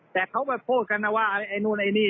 แต่เขามาโทษกันว่าอันนูนอันนี้